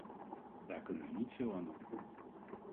Daar kunnen we niet veel aan doen.